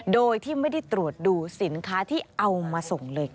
โดยที่ไม่ได้ตรวจดูสินค้าที่เอามาส่งเลยค่ะ